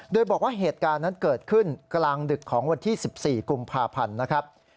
โดยบอกว่าเหตุการณ์นั้นเกิดขึ้นกลางดึกของวันที่๑๔กุมภาพันธ์นะครับ